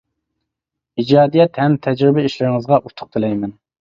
ئىجادىيەت ھەم تەرجىمە ئىشلىرىڭىزغا ئۇتۇق تىلەيمەن!